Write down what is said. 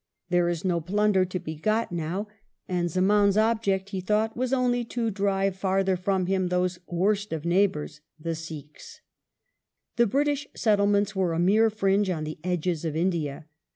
"There is no plunder to be got now;" and Zemaun's object, he thought, was only to drive farther from him those " worst of neighbours," the Sikhs. The British settlements were a mere fringe on the edges of India.